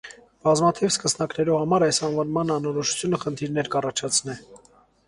Բազմաթիւ սկսնակներու համար այս անուանման անորոշութիւնը խնդիրներ է կ՛առաջացնէ։